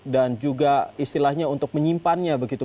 juga istilahnya untuk menyimpannya begitu